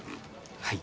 はい。